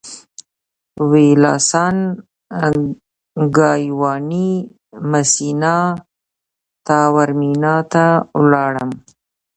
ویلاسان ګایواني مسینا تاورمینا ته ولاړم.